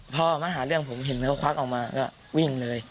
พอมาหาเรื่องผมเห็นเขาควักออกมาก็วิ่งเลย